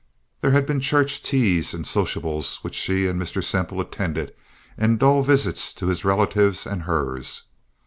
There had been church teas and sociables which she and Mr. Semple attended, and dull visits to his relatives and hers.